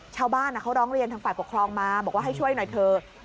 ชาวบ้านเขาร้องเรียนทางฝ่ายปกครองมาบอกว่าให้ช่วยหน่อยเถอะ